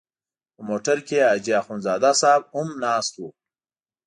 په موټر کې حاجي اخندزاده صاحب هم ناست و.